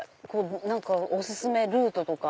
何かお薦めルートとか。